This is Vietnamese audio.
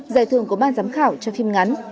giải thưởng của ban giám khảo cho phim ngắn